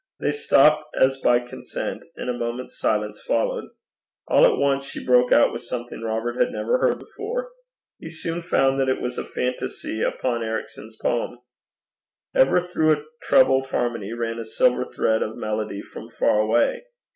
They stopped as by consent, and a moment's silence followed. All at once she broke out with something Robert had never heard before. He soon found that it was a fantasy upon Ericson's poem. Ever through a troubled harmony ran a silver thread of melody from far away.